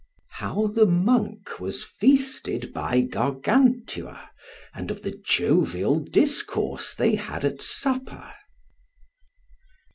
How the Monk was feasted by Gargantua, and of the jovial discourse they had at supper.